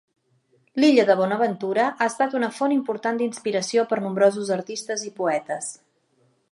L'illa de Bonaventura ha estat una font important d'inspiració per a nombrosos artistes i poetes.